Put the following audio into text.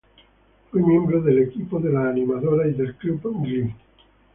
Fue miembro de el equipo de las animadoras y del Club Glee.